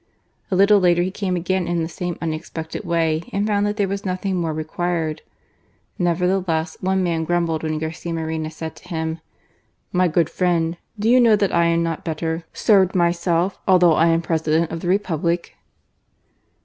A little later he came again in the same unexpected way and found that there was nothing more required. Neverthe less, one man grumbled, when Garcia Moreno said to him :" My good friend, do you know that I am not better served myself, although I am President of the Republic